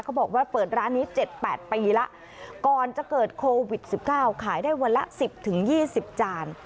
บอกว่าเปิดร้านนี้๗๘ปีแล้วก่อนจะเกิดโควิด๑๙ขายได้วันละ๑๐๒๐จาน